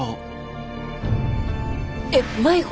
えっ迷子？